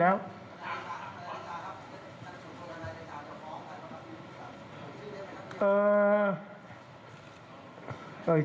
ซึ่งในส่วนนี้พนักงานสอบส่วน